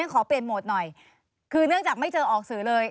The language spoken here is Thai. ขอเปลี่ยนโหมดหน่อยคือเนื่องจากไม่เจอออกสื่อเลย